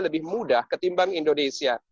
lebih mudah ketimbang indonesia